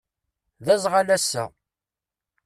D azɣal ass-a.